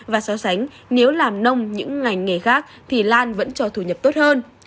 và so sánh nếu làm nông những ngành nghề khác thì lan vẫn cho thu nhập tốt hơn